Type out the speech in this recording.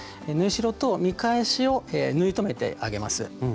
縫い代と見返しを縫い留めてあげます。